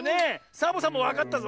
サボさんもわかったぞ。